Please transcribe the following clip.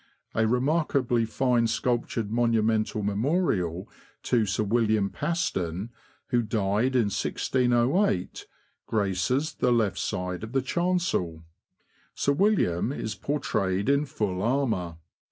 A remarkably fine sculptured monumental memorial to Sir WiUiam Paston, who died in 1608, graces the left side of the chancel; Sir William is portrayed in full armour.